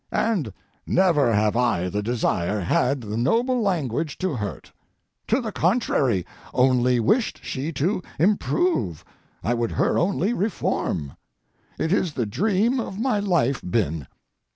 And never have I the desire had the noble language to hurt; to the contrary, only wished she to improve—I would her only reform. It is the dream of my life been.